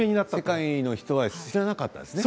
世界の人は知らなかったんですね